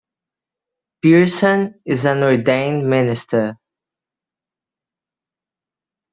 Pearson is an ordained minister.